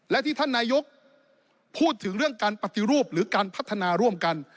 และที่ท่านนายกพูดถึงเรื่องการปฏิรูปหรือการพัฒนาร่วมกัน